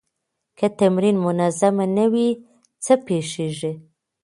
که تمرین منظم نه وي، څه پېښېږي؟